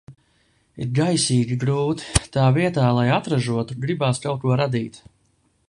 Ir gaisīgi grūti. Tā vietā lai atražotu, gribās kaut ko radīt.